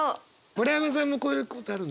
村山さんもこういうことあるんですか？